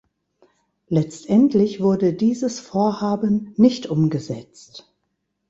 Letztendlich wurde dieses Vorhaben nicht umgesetzt.